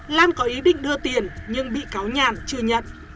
lan có ý định đưa tiền nhưng bị cáo nhàn chưa nhận